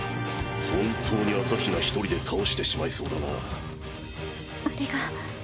本当に朝日奈一人で倒してしまいそうだな。